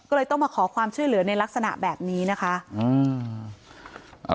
ก็เลยต้องมาขอความช่วยเหลือในลักษณะแบบนี้นะคะอืม